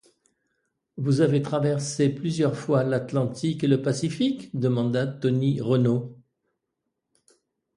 Vous avez traversé plusieurs fois l’Atlantique et le Pacifique?... demanda Tony Renault.